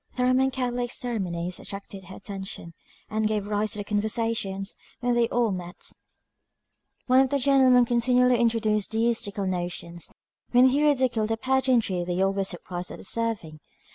The Roman Catholic ceremonies attracted her attention, and gave rise to conversations when they all met; and one of the gentlemen continually introduced deistical notions, when he ridiculed the pageantry they all were surprised at observing.